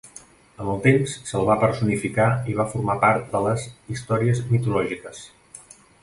Amb el temps se'l va personificar i va formar part de les històries mitològiques.